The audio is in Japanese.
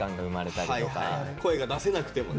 声が出せなくてもね。